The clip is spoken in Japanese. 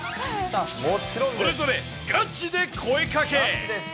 それぞれガチで声かけ。